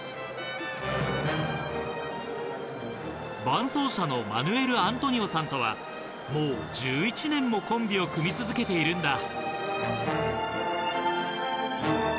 伴走者のマヌエルアントニオさんとはもう１１年もコンビを組み続けているんだ。